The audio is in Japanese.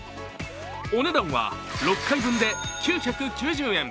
お値段は６回分で９９０円。